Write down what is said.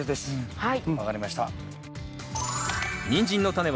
はい。